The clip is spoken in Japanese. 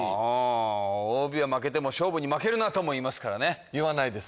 帯は巻けても勝負に負けるなとも言いますからね言わないです